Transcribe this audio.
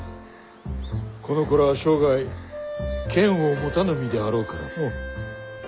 この子らは生涯剣を持たぬ身であろうからの。